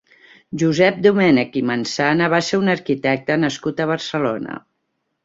Josep Domènech i Mansana va ser un arquitecte nascut a Barcelona.